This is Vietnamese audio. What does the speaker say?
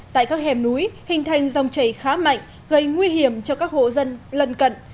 tại các hẻm núi hình thành dòng chảy khá mạnh gây nguy hiểm cho các hộ dân lần cận